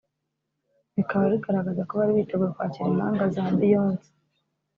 bikaba bigaragaraza ko bari biteguye kwakira impanga za Beyonce